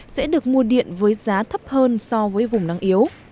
sẽ được mua điện với giá thấp hơn so với vùng nắng yếu